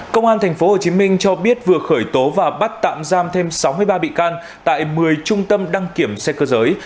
công an tp hcm cho biết vừa khởi tố và bắt tạm giam thêm sáu mươi ba bị can tại một mươi trung tâm đăng kiểm xe cơ giới